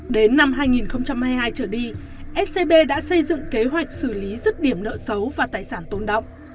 đến năm hai nghìn hai mươi hai trở đi scb đã xây dựng kế hoạch xử lý rứt điểm nợ xấu và tài sản tôn động